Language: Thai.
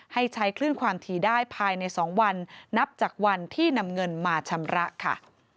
ให้ใช้คลื่นความถี่ได้ภายใน๒วันนับจากวันที่นำเงินมาชำระค่ะ